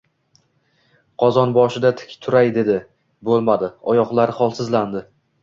Qozon boshida tik turay dedi. Bo‘lmadi — oyoqlari holsizlandi.